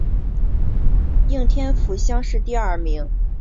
应天府乡试第二名。